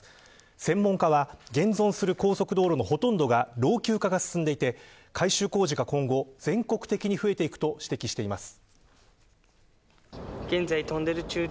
専門家は現存する高速道路のほとんどが老朽化が進んでいて改修工事が今後全国的に増えていくと指摘しています。